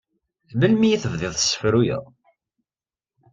Melmi i tebdiḍ tessefruyeḍ?